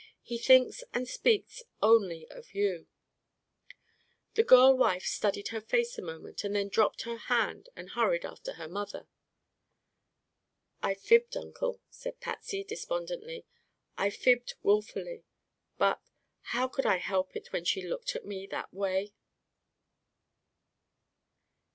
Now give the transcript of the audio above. He thinks and speaks only of you." The girl wife studied her face a moment and then dropped her hand and hurried after her mother. "I fibbed, Uncle," said Patsy despondently. "I fibbed willfully. But how could I help it when she looked at me that way?"